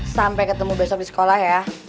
sampai ketemu besok di sekolah ya